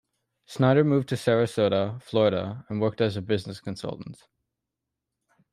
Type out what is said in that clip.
Snyder moved to Sarasota, Florida and worked as a business consultant.